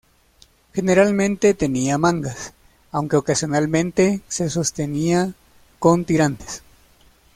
Generalmente tenía mangas, aunque ocasionalmente se sostenía con tirantes.